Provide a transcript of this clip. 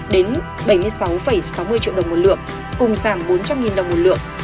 đến bảy mươi sáu sáu mươi triệu đồng mỗi lượng cùng giảm bốn trăm linh đồng mỗi lượng